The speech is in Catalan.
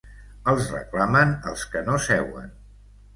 Els reclamen els que no seuen.